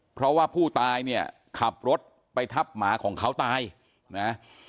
เพราะว่าผู้ตายเนี่ยขับรถไปทับหมาของเขาตายนะ